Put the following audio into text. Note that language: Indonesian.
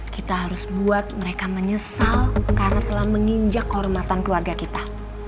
kita harus buat mereka menyesal karena telah menginjak kehormatan keluarga kita